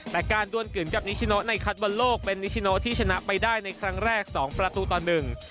แต่การดวนกึ่งกับนิชิโนในคัดบอลโลกเป็นนิชิโนที่ชนะไปได้ในครั้งแรกสองประตูต่อหนึ่ง